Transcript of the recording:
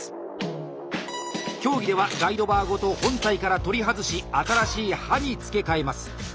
競技ではガイドバーごと本体から取り外し新しい刃に付け替えます。